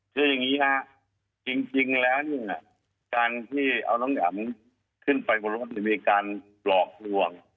คืออย่างนี้ฮะจริงแล้วเนี่ยการที่เอาน้องแอ๋มขึ้นไปบนรถมีการหลอกลวง